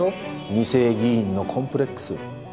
２世議員のコンプレックス。